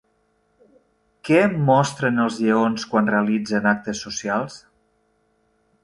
Què mostren els lleons quan realitzen actes socials?